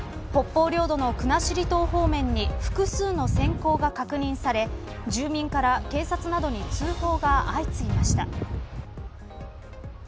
北方領土の国後島方面に複数の閃光が確認され住民から警察などに通報が相次ぎました。